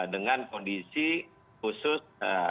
dengan kondisi khusus